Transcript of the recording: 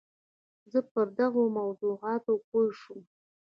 زه پر دغو موضوعاتو پوه شوم.